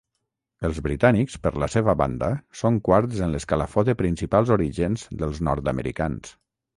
Els britànics per la seva banda són quarts en l'escalafó de principals orígens dels nord-americans.